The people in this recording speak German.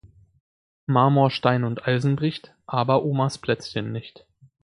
Marmor, Stein und Eisen bricht, aber Omas Plätzchen nicht!